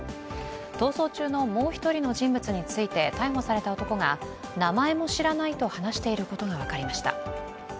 逃走中のもう１人の人物について逮捕された男が名前も知らないと話していることが分かりました。